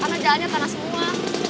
karena jalannya tanah semua